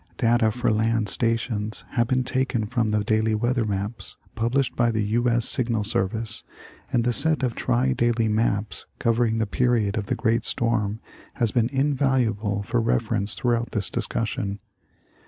Data for land stations have been taken from the daily weather maps published by the U. S. Signal Service, and the set of tri daily maps covering the period of the great storm has been invaluable for reference throughout this discussion.